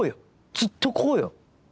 ずっとこうよ。